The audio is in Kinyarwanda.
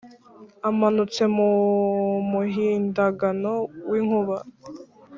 amanutse mu muhindagano w’inkuba,